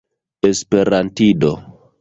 esperantido